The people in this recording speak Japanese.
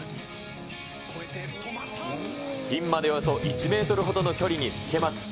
ピンまでおよそ１メートルほどの距離につけます。